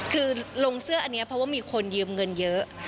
คือลงเสื้ออันนี้เพราะว่ามีคนยืมเงินเยอะ